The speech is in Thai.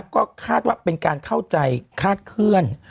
ก็คาดว่าเป็นการเข้าใจคาดเคลื่อน